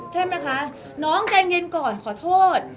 ใช่ไหมคะน้องใจเย็นก่อนขอโทษ